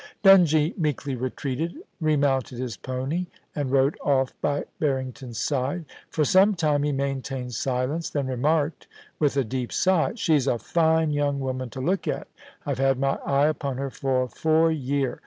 Dungie meekly retreated, remounted his pony, and rode off by Barrington's side. For some time he maintained silence, then remarked, with a deep sigh :* She's a fine young woman to look at I've had my eye upon her for four year.